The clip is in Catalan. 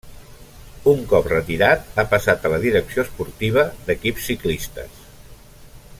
Un cop retirat ha passat a la direcció esportiva d'equips ciclistes.